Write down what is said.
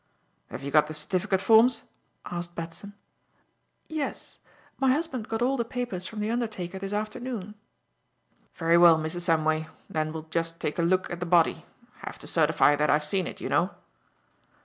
"Have you got the certificate forms?" asked Batson. "Yes. My husband got all the papers from the undertaker this afternoon." "Very well, Mrs. Samway, then we'll just take a look at the body have to certify that I've seen it, you know."